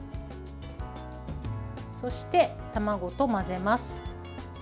そして、卵と混ぜます。